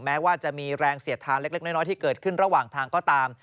แม้ว่าจะมีแรงเสียดทานเล็กน้อยที่เกิดขึ้นระหว่างทางก็ตาม